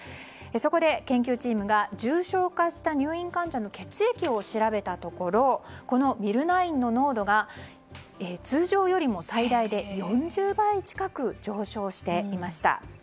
そこで研究チームが重症化した入院患者の血液を調べたところこのミルナインの濃度が通常よりも最大で４０倍近くも上昇していました。